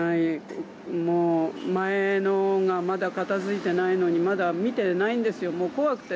もう前のがまだ片付いてないのにまだ見てないんですよ怖くて。